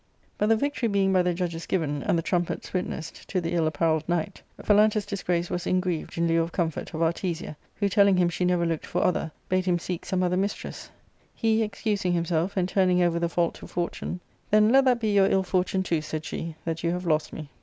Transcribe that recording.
But the victory being by the judges given, and the trumpets witnessed, to the ill apparelled knight, Phalantus' disgrace was ingrieved, in lieu of comfort, of Artesia, who, telling him she never looked feg .othegrbadeJtuni_seek some other mis treis* He, excusing himself, and turning over theTaiilt to fortune, " Then let that be your ill fortune too," said she, that you have lost me."